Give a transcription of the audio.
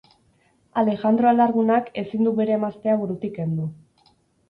Alejandro alargunak ezin du bere emaztea burutik kendu.